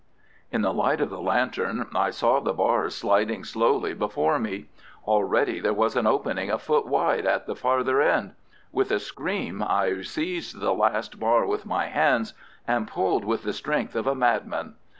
In the light of the lantern I saw the bars sliding slowly before me. Already there was an opening a foot wide at the farther end. With a scream I seized the last bar with my hands and pulled with the strength of a madman.